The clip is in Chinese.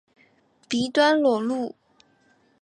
鼻端裸露。